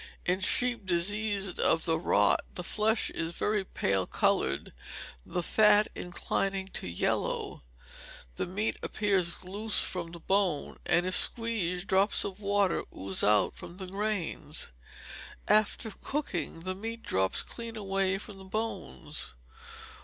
In sheep diseased of the rot, the flesh is very pale coloured, the fat inclining to yellow; the meat appears loose from the bone, and, if squeezed, drops of water ooze out from the grains; after cooking, the meat drops clean away from the bones.